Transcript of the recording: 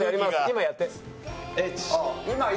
今やって。